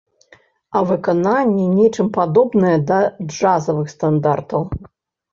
А выкананне нечым падобнае да джазавых стандартаў!